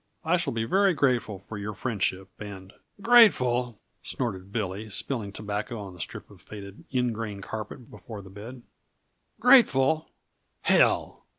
I shall be very grateful for your friendship, and " "Grateful!" snorted Billy, spilling tobacco on the strip of faded ingrain carpet before the bed. "Grateful hell!"